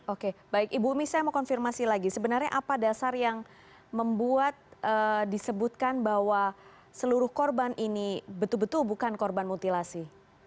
oke baik ibu umi saya mau konfirmasi lagi sebenarnya apa dasar yang membuat disebutkan bahwa seluruh korban ini betul betul bukan korban mutilasi